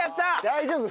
大丈夫。